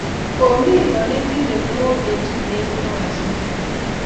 Kimii konetinte ne oo eng tuye ne wazirit.